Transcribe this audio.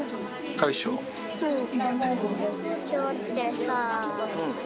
うん。